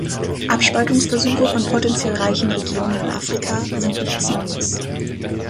Abspaltungsversuche von potentiell reichen Regionen in Afrika sind nichts Neues.